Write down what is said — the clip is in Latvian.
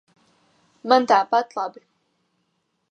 Man tāpat labi.